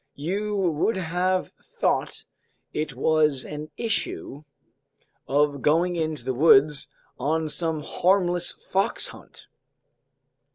You would have thought it was an issue of going into the woods on some harmless fox hunt!